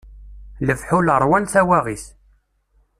Lefḥul ṛwan tawaɣit.